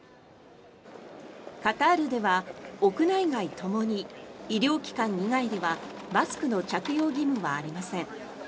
カタールでは屋内外ともに医療機関以外ではマスクの着用義務はありません。